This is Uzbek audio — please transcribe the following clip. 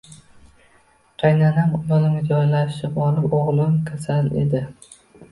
Qaynanam yonimga joylashib olib, O`g`lim kasal edi